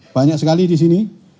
banyak sekali disini